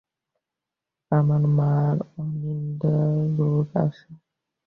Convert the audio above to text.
আমার মার অনিদ্রা রোগ আছে।